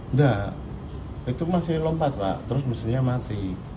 nggak itu masih lompat pak terus mesinnya mati